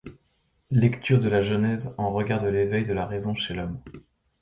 Lecture de la Genèse en regard de l'éveil de la raison chez l'Homme.